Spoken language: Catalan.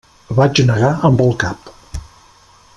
Vaig negar amb el cap.